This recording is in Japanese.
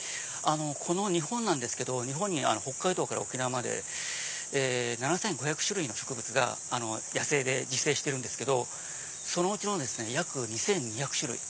この日本なんですけど日本に北海道から沖縄まで７５００種類の植物が野生で自生してるんですけどそのうちの約２２００種類。